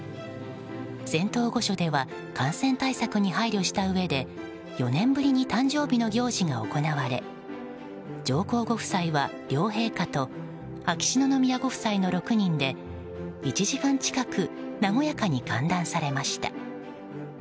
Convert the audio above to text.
仙洞御所では感染対策に配慮したうえで４年ぶりに誕生日の行事が行われ上皇ご夫妻は両陛下と秋篠宮ご夫妻の６人で１時間近く和やかに歓談されました。